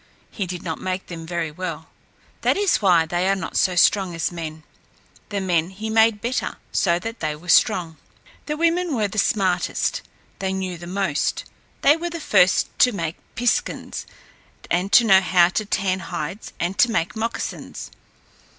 He did not make them very well. That is why they are not so strong as men. The men he made better; so that they were strong. The women were the smartest. They knew the most. They were the first to make piskuns, and to know how to tan hides and to make moccasins.